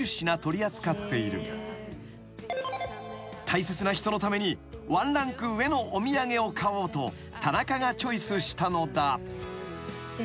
［大切な人のためにワンランク上のお土産を買おうと田中がチョイスしたのだ］